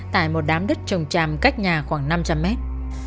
tại một đám đất trồng tràm cách nhà khoảng năm trăm linh mét